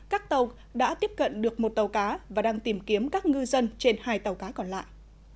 các tàu đã tiếp cận được một tàu cá và đang tìm kiếm các ngư dân trên hai tàu cá còn lại